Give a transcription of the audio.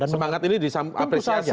semangat ini diapresiasi ya